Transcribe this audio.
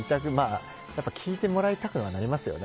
やっぱ聞いてもらいたくはなりますよね。